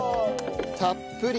たっぷり。